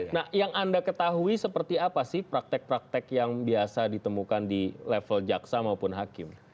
nah yang anda ketahui seperti apa sih praktek praktek yang biasa ditemukan di level jaksa maupun hakim